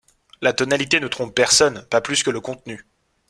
La tonalité ne trompe personne, pas plus que le contenu.